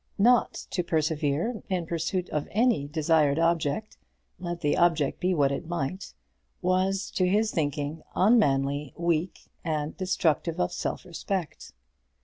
Not to persevere in pursuit of any desired object, let the object be what it might, was, to his thinking, unmanly, weak, and destructive of self respect.